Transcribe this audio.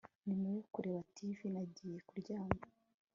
Nyuma yo kureba TV nagiye kuryama